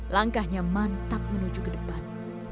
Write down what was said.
langkahnya mantap menuju ke depan